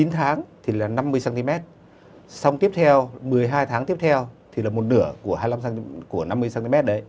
chín tháng thì là năm mươi cm một mươi hai tháng tiếp theo thì là một nửa của năm mươi cm